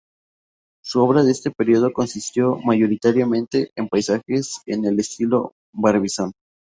Su obra de este periodo consistió mayoritariamente en paisajes en el estilo Barbizon.